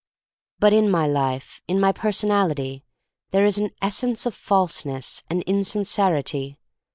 But in my life, in my personality, there is an essence of falseness and in sincerity.